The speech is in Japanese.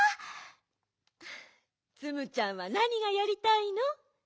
ツムちゃんはなにがやりたいの？